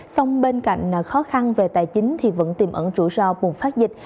xong bên cạnh khó khăn về tài chính thì vẫn tìm ẩn rủi ro buồn phát dịch